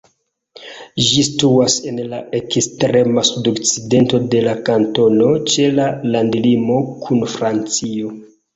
Ĝi situas en la ekstrema sudokcidento de la kantono ĉe la landlimo kun Francio.